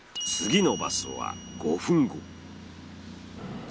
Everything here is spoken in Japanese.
次のバスは５分後。